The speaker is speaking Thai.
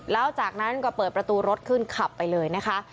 แล้วจากนั้นก็เปิดประตูรถขึ้นขับไปเลยนะคะ